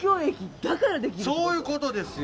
そういう事ですよ。